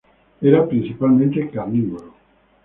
Era principalmente carnívoro.